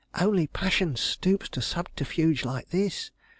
Only passion stoops to subterfuge like this.